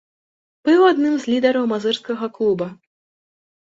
Быў адным з лідараў мазырскага клуба.